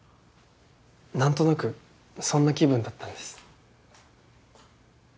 なんとなくそんな気分だったんです。